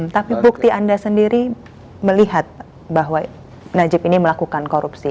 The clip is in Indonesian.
tapi bukti anda sendiri melihat bahwa najib ini melakukan korupsi